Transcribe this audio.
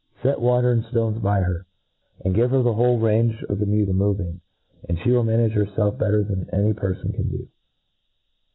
Set water and ftones by her, and give her the whole range of the mew to move in } and flie wilt manage herfelf better than any perfon can do.